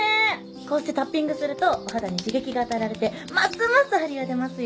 こうしてタッピングするとお肌に刺激が与えられてますます張りが出ますよ。